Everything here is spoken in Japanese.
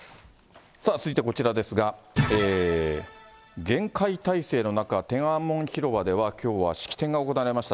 さあ、続いてはこちらですが、厳戒態勢の中、天安門広場ではきょうは式典が行われました。